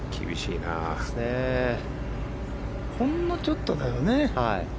ほんのちょっとだよね。